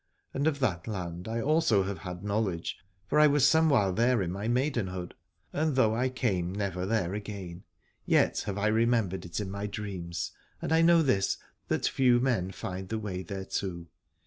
And of that land I also have had knowledge, for I was somewhile there in my maidenhood : and though I came 66 Aladore never there again, yet have I remembered it in my dreams, and I know this, that few men find the way thereto.